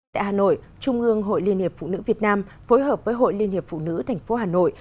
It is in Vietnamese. tại hà nội trung ương hội liên hiệp phụ nữ việt nam phối hợp với hội liên hiệp phụ nữ tp hà nội